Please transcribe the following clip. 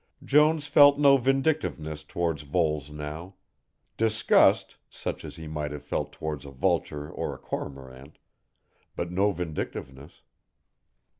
Jones felt no vindictiveness towards Voles now; disgust, such as he might have felt towards a vulture or a cormorant, but no vindictiveness.